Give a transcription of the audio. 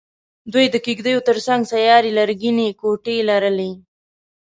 دوی د کېږدیو تر څنګ سیارې لرګینې کوټې لرلې.